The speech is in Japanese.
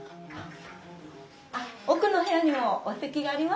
あっ奥の部屋にもお席がありますので。